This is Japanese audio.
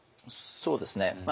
そうですね。